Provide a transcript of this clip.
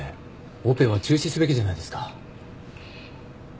オペは中止すべきじゃないですか？